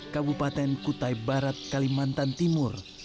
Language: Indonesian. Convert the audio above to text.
kabupaten kutai barat kalimantan timur